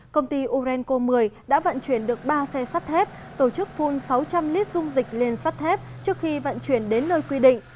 công ty orenco một mươi đã vận chuyển được ba xe sắt thép tổ chức phun sáu trăm linh lít dung dịch lên sắt thép trước khi vận chuyển đến nơi quy định